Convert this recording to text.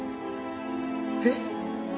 えっ？